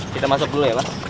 kita masuk dulu ya pak